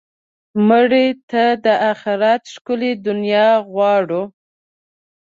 مړه ته د آخرت ښکلې دنیا غواړو